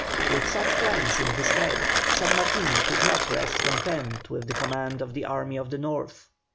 With such plans in his head, San Martin could not rest content with the command of the Army of the North.